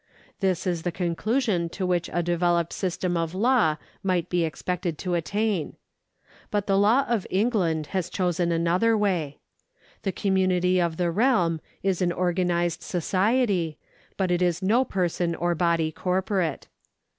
This is the conclusion to which a developed system of law might be ex pected to attain. But the law of England has chosen another way. The community of the realm is an organised society, but it is no person or body corporate.